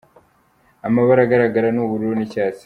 Amabara agaragara ni ubururu n’icyatsi.